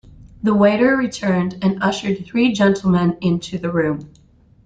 The waiter returned, and ushered three gentlemen into the room.